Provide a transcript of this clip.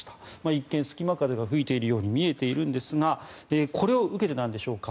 一見、隙間風が吹いているように見えるんですがこれを受けてなんでしょうか。